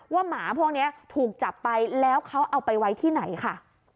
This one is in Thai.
หมาพวกนี้ถูกจับไปแล้วเขาเอาไปไว้ที่ไหนค่ะ